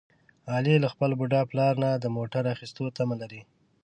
علي له خپل بوډا پلار نه د موټر اخیستلو تمه لري.